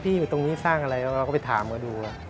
อยู่ตรงนี้สร้างอะไรเราก็ไปถามเขาดู